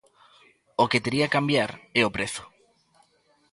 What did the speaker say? O que tería cambiar é o prezo.